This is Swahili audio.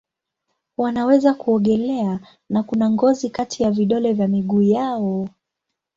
Wanaweza kuogelea na kuna ngozi kati ya vidole vya miguu yao.